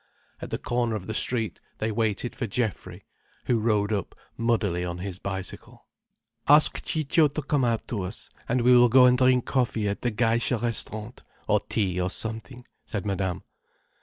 At the corner of the street they waited for Geoffrey, who rode up muddily on his bicycle. "Ask Ciccio to come out to us, and we will go and drink coffee at the Geisha Restaurant—or tea or something," said Madame.